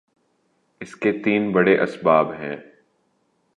اس کے تین بڑے اسباب ہیں۔